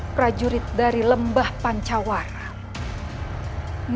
prajurit dari lembah pancawaran